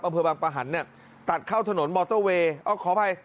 อำเภอบางประหันเนี่ยตัดเข้าถนนมอเตอร์เวย์ขออภัย